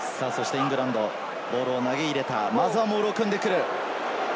イングランドがボールを投げ入れてモールを組んでくる。